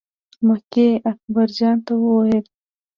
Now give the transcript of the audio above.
مکۍ اکبر جان ته وویل.